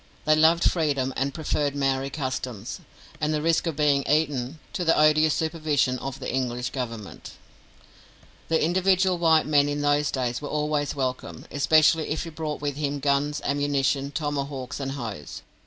They loved freedom, and preferred Maori customs, and the risk of being eaten, to the odious supervision of the English Government. The individual white man in those days was always welcome, especially if he brought with him guns, ammunition, tomahawks, and hoes.